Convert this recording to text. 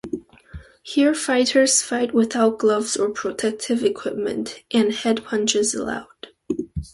Here fighters fight without gloves or protective equipment, and headpunches allowed.